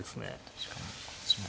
確かにこっちも。